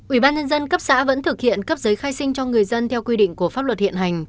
ủy ban nhân dân cấp xã vẫn thực hiện cấp giấy khai sinh cho người dân theo quy định của pháp luật hiện hành